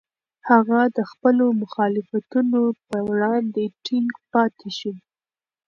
هغه د خپلو مخالفتونو په وړاندې ټینګ پاتې شو.